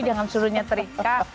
jangan suruh nyetrika